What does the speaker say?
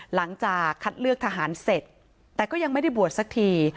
หลังจากคัดเลือกทหารเสร็จแต่ก็ยังไม่ได้บวชสักที